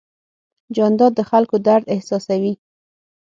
جانداد د خلکو درد احساسوي.